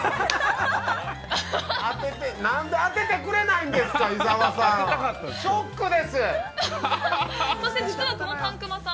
何で当ててくれないんですか伊沢さん